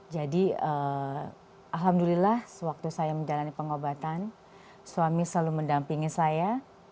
jadi alhamdulillah sewaktu saya menjalani pengobatan suami selalu mendampingi saya